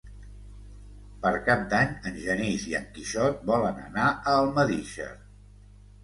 Per Cap d'Any en Genís i en Quixot volen anar a Almedíxer.